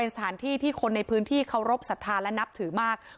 เป็นสถานที่ที่คนในพื้นที่เข้ารบสภาพและนับถือมากถึงนมมม